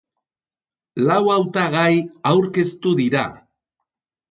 Lau hautagai aurkeztu dira.